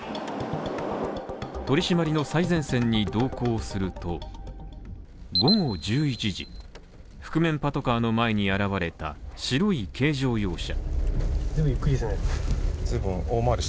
取り締まりの最前線に同行すると午後１１時、覆面パトカーの前に現れた白い軽乗用車。